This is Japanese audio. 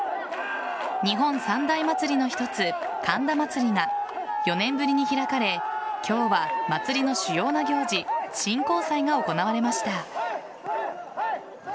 日本三大祭りの一つ、神田祭が４年ぶりに開かれ今日は祭りの主要な行事神幸祭が行われました。